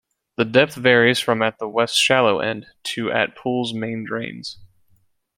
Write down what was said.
The depth varies from at the west 'shallow' end, to at pools' main drains.